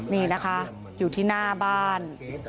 นี่นะคะอยู่ที่หน้าบ้าน